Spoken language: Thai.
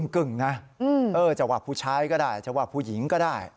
กึ่งนะจังหวะผู้ชายก็ได้จังหวะผู้หญิงก็ได้